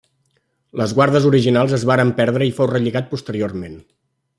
Les guardes originals es varen perdre i fou relligat posteriorment.